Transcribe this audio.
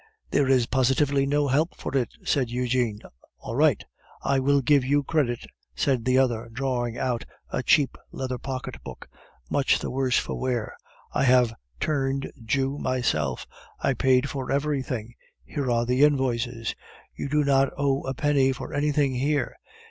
"There is positively no help for it," said Eugene. "All right, I will give you credit," said the other, drawing out a cheap leather pocket book, much the worse for wear. "I have turned Jew myself; I paid for everything; here are the invoices. You do not owe a penny for anything here.